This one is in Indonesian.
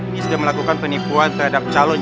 dia sudah melakukan penipuan dan mencari pembunuhnya